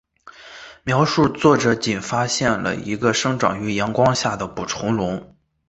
描述作者仅发现了一个生长于阳光下的捕虫笼。